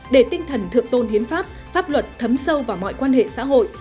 để tinh thần thượng tôn hiến pháp pháp luật thấm sâu vào mọi quan hệ xã hội